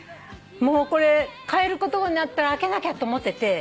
もうこれ買えることになったら開けなきゃと思ってて買うじゃん。